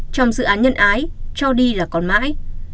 trong dự án nhân ái cho đi là còn mãi